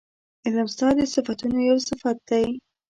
علم ستا د صفتونو یو صفت دی